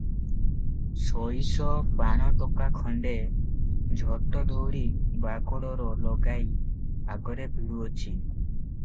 ସଇସ ପାଣଟୋକା ଖଣ୍ତେ ଝୋଟଦଉଡ଼ି ବାଗଡୋର ଲଗାଇ ଆଗରେ ଭିଡୁଅଛି ।